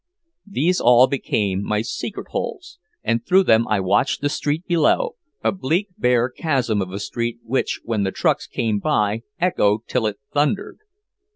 These all became my secret holes, and through them I watched the street below, a bleak bare chasm of a street which when the trucks came by echoed till it thundered.